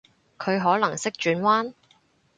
佢可能識轉彎？